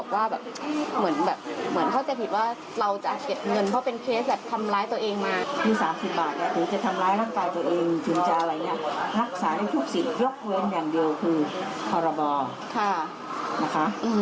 ไม่มีปัญหาอะไรหรอก